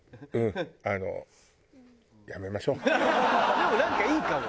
でもなんかいいかも。